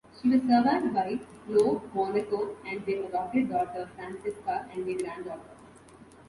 She was survived by LoMonaco and their adopted daughter Francesca and their granddaughter.